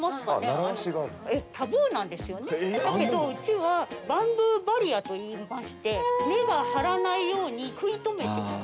だけどうちはバンブーバリアといいまして根が張らないように食い止めてます。